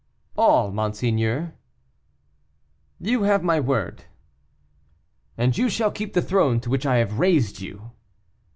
"All, monseigneur." "You have my word." "And you shall keep the throne to which I have raised you.